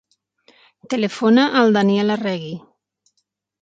Telefona al Daniel Arregui.